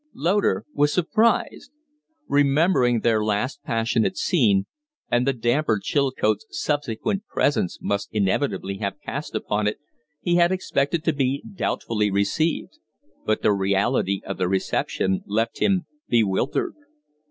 Loder was surprised. Remembering their last passionate scene, and the damper Chilcote's subsequent presence must inevitably have cast upon it, he had expected to be doubtfully received; but the reality of the reception left him bewildered.